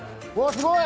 すごい！